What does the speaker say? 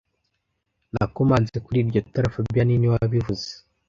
Nakomanze kuri iryo tara fabien niwe wabivuze